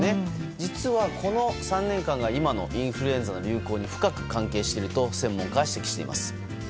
実はこの３年間が今のインフルエンザの流行に深く関係していると専門家は指摘しています。